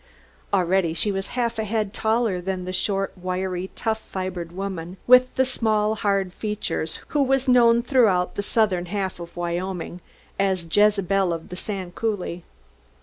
Already she was half a head taller than the short, wiry, tough fibered woman with the small hard features who was known throughout the southern half of Wyoming as "Jezebel of the Sand Coulee."